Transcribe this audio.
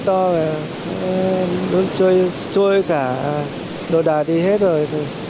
trời mưa to trôi cả đồ đà đi hết rồi